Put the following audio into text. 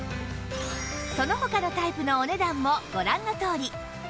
その他のタイプのお値段もご覧のとおり